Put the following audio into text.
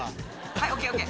はいＯＫＯＫ。